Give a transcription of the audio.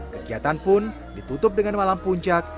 kegiatan pun ditutup dengan malam puncak